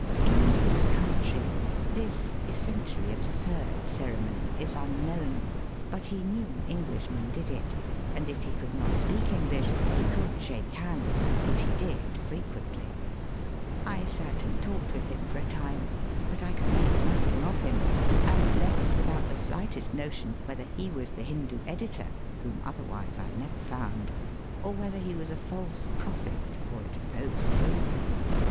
In his country this essentially absurd cere mony is unknown ; but he knew Englishmen did it, and if he could not speak English he could shake hands, which he did frequently. I sat and talked with him for a time ; but I <50uld make nothing of him, and left with out the slightest notion whether he was the Hindoo editor (whom otherwise I never found), or whether he was a false prophet or a de posed prince.